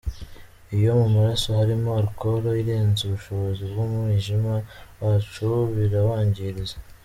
Iyo mu maraso harimo “Alcohol” irenze ubushobozi bw’umwijima wacu birawangiriza.